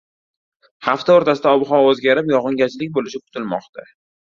Hafta o‘rtasida ob-havo o‘zgarib, yog‘ingarchilik bo‘lishi kutilmoqda